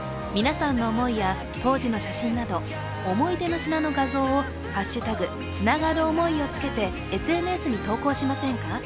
皆さんの思いや当時の写真など思い出の品の画像を「＃つながるおもい」をつけてＳＮＳに投稿しませんか。